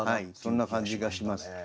そんな感じがします。